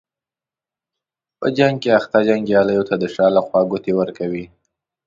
په جنګ کې اخته جنګیالیو ته د شا له خوا ګوتې ورکوي.